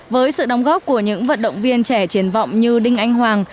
với sự đóng góp của những vận động viên trẻ triển vọng như đinh anh hoàng